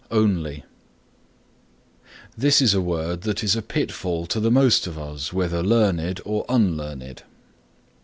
ONLY This is a word that is a pitfall to the most of us whether learned or unlearned.